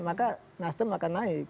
maka nasdem akan naik